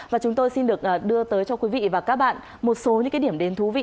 và chúng tôi xin được đưa tới cho quý vị và các bạn một số những điểm đến thú vị